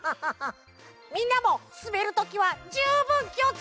みんなもすべるときはじゅうぶんきをつけてね！